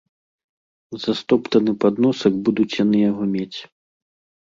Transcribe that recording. За стоптаны падносак будуць яны яго мець.